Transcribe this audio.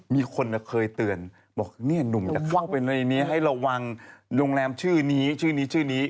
มีคนเคยเตือนบอกเนี่ยหนุ่มจะเข้าไปในนี้ให้ระวังโรงแรมชื่อนี้ชื่อนี้ชื่อนี้